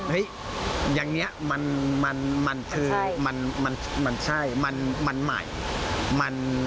อย่างนี้มันคือมันใช่มันใหม่